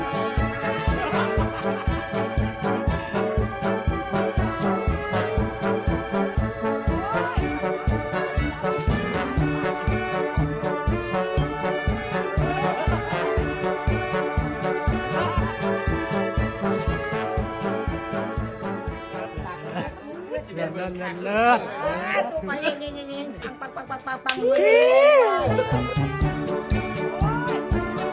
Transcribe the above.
ใบน้ำเออใบปริญญาใบเดียวเมืองร้านฝากลูกฉันต้องไปเรียน